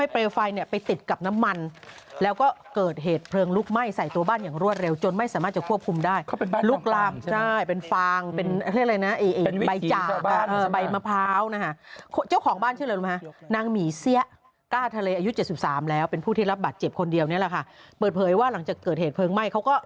พออาทอาวุธาวัยังไงครูรู้ไหม